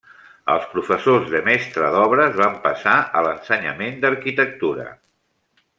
Els professors de mestre d'obres van passar a l'ensenyament d'arquitectura.